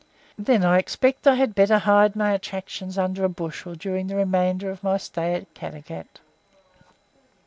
"Then I expect I had better hide my attractions under a bushel during the remainder of my stay at Caddagat?"